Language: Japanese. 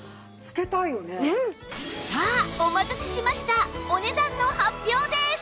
さあお待たせしましたお値段の発表です！